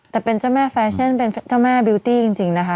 แต่เป็นเจ้าแม่แฟชั่นเป็นเจ้าแม่บิวตี้จริงนะคะ